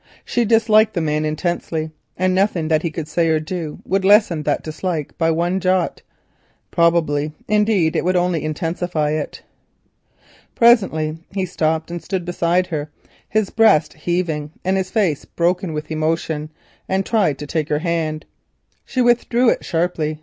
She disliked the man intensely, and nothing that he could say or do would lessen that dislike by one jot—probably, indeed, it would only intensify it. Presently he stopped, his breast heaving and his face broken with emotion, and tried to take her hand. She withdrew it sharply.